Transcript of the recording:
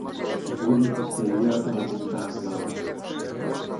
Боли пустелијата околу таа глава.